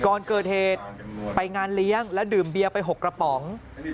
ก่อนเกิดเหตุไปงานเลี้ยงและดื่มเบียร์ไป๖กระป๋อง